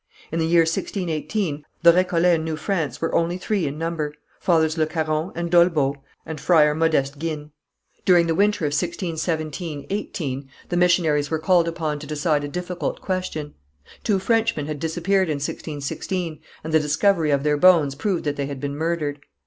In the year 1618, the Récollets in New France were only three in number: Fathers Le Caron and d'Olbeau, and Friar Modeste Guines. During the winter of 1617 18 the missionaries were called upon to decide a difficult question. Two Frenchmen had disappeared in 1616, and the discovery of their bones proved that they had been murdered.